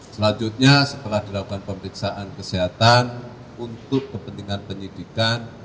selanjutnya setelah dilakukan pemeriksaan kesehatan untuk kepentingan penyidikan